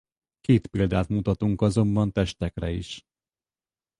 Két példát mutatunk azonban testekre is.